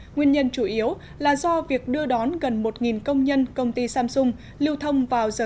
nguyên nhân chủ yếu là do việc đưa đón gần một công nhân công ty samsung lưu thông vào giờ